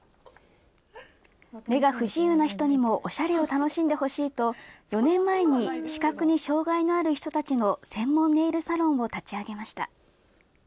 目が不自由な人にもおしゃれを楽しんでほしいと、４年前に視覚に障害のある人たちの専門ネイルサロンを立ち上げました。